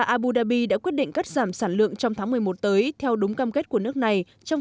abu dhabi đã quyết định cắt giảm sản lượng trong tháng một mươi một tới theo đúng cam kết của nước này trong